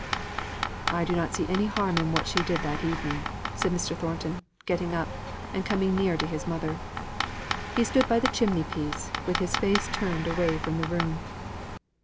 "I do not see any harm in what she did that evening," said Mr. Thornton, getting up, and coming near to his mother; he stood by the chimney piece with his face turned away from the room.